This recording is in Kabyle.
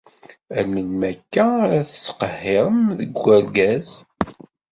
Ar melmi akka ara tettqehhirem deg urgaz?